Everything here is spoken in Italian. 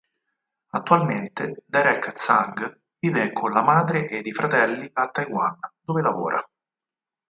Attualmente Derek Tsang vive con la madre e i fratelli a Taiwan, dove lavora.